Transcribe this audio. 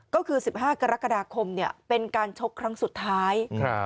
ก็คือ๑๕กรกฎาคมเป็นการชกครั้งสุดท้าย